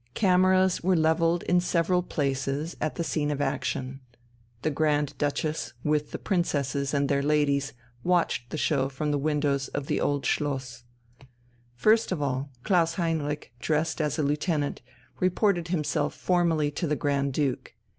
Cameras were levelled in several places at the scene of action. The Grand Duchess, with the princesses and their ladies, watched the show from the windows of the Old Schloss. First of all, Klaus Heinrich, dressed as a lieutenant, reported himself formally to the Grand Duke.